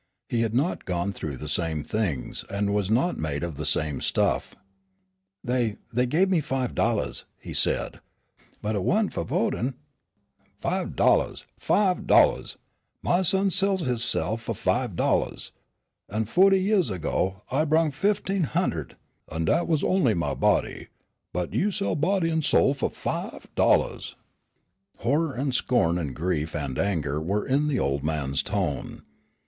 He had not gone through the same things, and was not made of the same stuff. "They they give me five dollahs," he said; "but it wa'n't fu' votin'." "Fi' dollahs! fi' dollahs! My son sell hisse'f fu' fi' dollahs! an' forty yeahs ago I brung fifteen hun'erd, an' dat was only my body, but you sell body an' soul fu' fi' dollahs!" Horror and scorn and grief and anger were in the old man's tone.